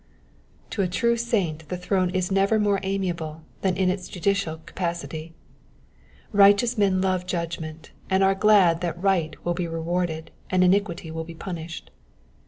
To a true saint the throne is never more amiable than in its judicial capacity ; ri/s^hteous men love judgment, and are glad that right will be rewarded and iniquity will be punished.